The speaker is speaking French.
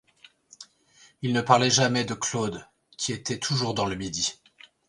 Il ne parlait jamais de Claude, qui était toujours dans le Midi.